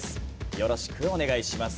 よろしくお願いします。